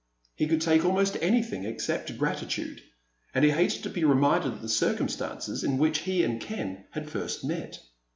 He could take almost anything except gratitude, and he hated to be reminded of the circumstances in which he and Ken had first met.